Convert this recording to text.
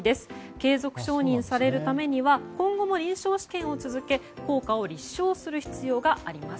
継続承認されるためには今後も臨床試験を続け効果を立証する必要があります。